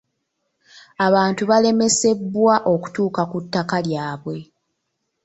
Abantu baalemesebwa okutuuka ku ttaka lyabwe.